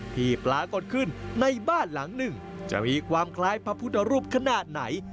ที่ปรากฏขึ้นในบ้านหลังหนึ่งจะมีความคล้ายพระพุทธรูปขนาดไหน